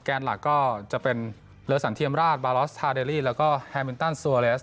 หลักก็จะเป็นเลอสันเทียมราชบาลอสทาเดรี่แล้วก็แฮมินตันซัวเลส